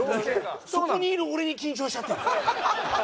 そこにいる俺に緊張しちゃってるんです。